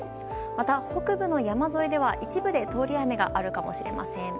また、北部の山沿いでは一部で通り雨があるかもしれません。